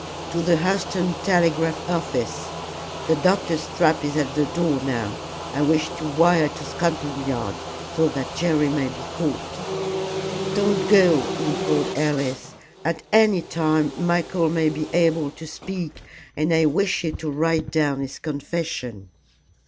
"To the Hurseton telegraph office. The doctor's trap is at the door now. I wish to wire to Scotland Yard, so that Jerry may be caught." "Don't go," implored Alice, "at any time Michael may be able to speak, and I wish you to write down his confession."